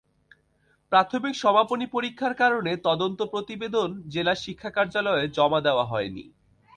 প্রাথমিক সমাপনী পরীক্ষার কারণে তদন্ত প্রতিবেদন জেলা শিক্ষা কার্যালয়ে জমা দেওয়া হয়নি।